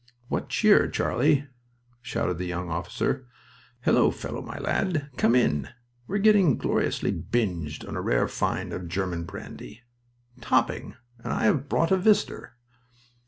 "What cheer, Charlie!" shouted the young officer. "Hullo, fellow my lad!... Come in. We're getting gloriously binged on a rare find of German brandy." "Topping and I've brought a visitor."